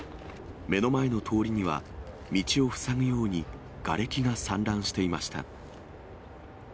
目の前の通りには、道を塞ぐようにがれきが散乱していました。